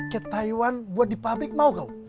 ke taiwan buat di pabrik mau kok